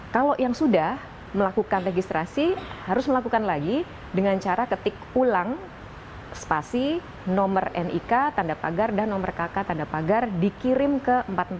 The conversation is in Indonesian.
kalau yang sudah melakukan registrasi harus melakukan lagi dengan cara ketik ulang spasi nomor nik tanda pagar dan nomor kk tanda pagar dikirim ke empat puluh enam